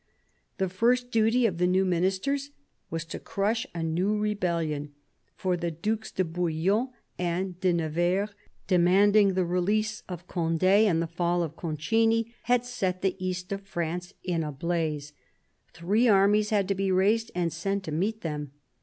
The first duty of the new Ministers was to crush a new rebellion, for the Dues de Bouillon and de Nevers, demanding the release of Conde and the fall of Concini, had set the east of France in a blaze. Three armies had to be raised and sent to meet them.